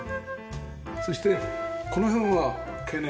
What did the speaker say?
そしてこの辺は経年変化？